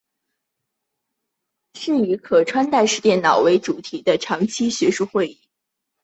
是以可穿戴式电脑为主题的长期学术会议。